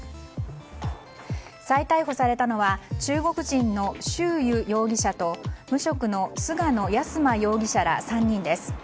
再逮捕されたのは中国人のシュウ・ユ容疑者と無職の菅野安真容疑者ら３人です。